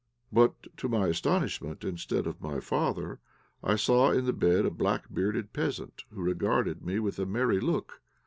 But to my astonishment instead of my father I saw in the bed a black bearded peasant, who regarded me with a merry look.